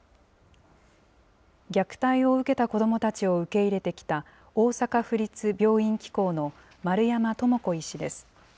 虐待を受けた子どもたちを受け入れてきた、大阪府立病院機構の丸山朋子医師です。